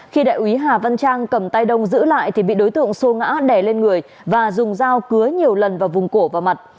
khi đại úy hà văn trang cầm tay đông giữ lại thì bị đối tượng xô ngã đè lên người và dùng dao cứa nhiều lần vào vùng cổ và mặt